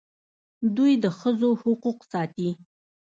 دوی د ښځو حقوق ساتي.